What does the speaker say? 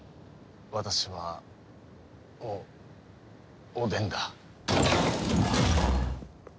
私はおおでんだ。